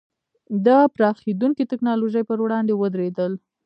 د پراخېدونکې ټکنالوژۍ پر وړاندې ودرېدل.